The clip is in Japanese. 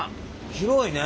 広いね。